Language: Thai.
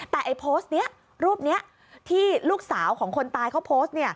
แต่รูปนี้ที่ลูกสาวของคนตายเขาโพสต์